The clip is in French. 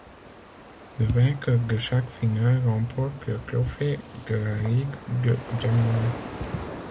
Le vainqueur de chaque finale remporte le trophée de la Ligue de diamant.